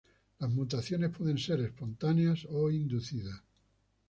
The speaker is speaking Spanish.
Las mutaciones pueden ser espontáneas o inducidas.